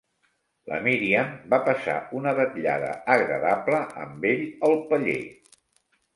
La Míriam va passar una vetllada agradable amb ell al paller.